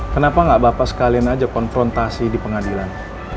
kenapa nggak bapak sekalian aja konfrontasi di pengadilan